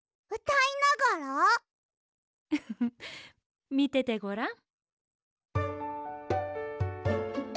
フフフッみててごらん。